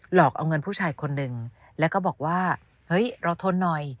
หลอกเอาเงินผู้ชายคนหนึ่งแล้วก็บอกว่าเฮ้ยเราทนหน่อย